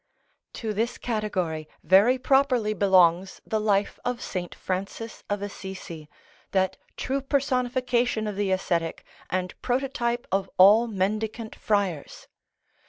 To this category very properly belongs the life of St. Francis of Assisi, that true personification of the ascetic, and prototype of all mendicant friars.